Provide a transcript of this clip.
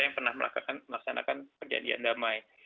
yang pernah melaksanakan perjanjian damai